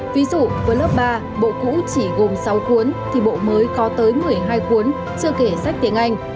ví dụ với lớp ba bộ cũ chỉ gồm sáu cuốn thì bộ mới có tới một mươi hai cuốn chưa kể sách tiếng anh